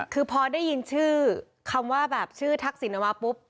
คือพอได้ยินชื่อคำว่าแบบชื่อทักษิณออกมาปุ๊บ